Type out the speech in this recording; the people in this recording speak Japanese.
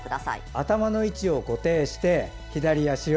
頭の位置を固定して左足を。